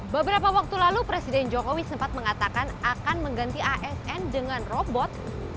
beberapa waktu lalu presiden jokowi sempat mengatakan akan mengganti asn dengan robot